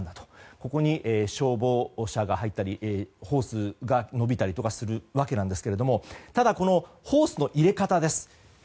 ここに消防車が入ったりホースが延びたりするわけですがただこのホースの入れ方です。